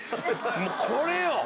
もうこれよ！